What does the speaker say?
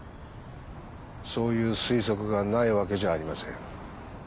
そういう推測がないわけじゃありません。